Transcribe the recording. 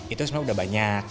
itu sebenarnya udah banyak